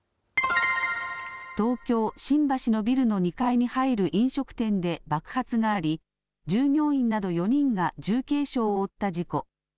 東京・新橋のビルの２階に入る飲食店で爆発があり、従業員など４人が重軽傷を負った事故。